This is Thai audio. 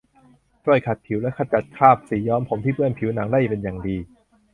ช่วยขัดผิวและขจัดคราบสีย้อมผมที่เปื้อนผิวหนังได้เป็นอย่างดี